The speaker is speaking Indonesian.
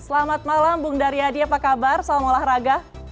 selamat malam bung daryadi apa kabar salam olahraga